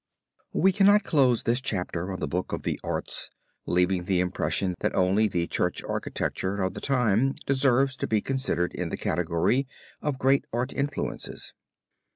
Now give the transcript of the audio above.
] We cannot close this chapter on the Book of the Arts leaving the impression that only the Church Architecture of the time deserves to be considered in the category of, great art influences.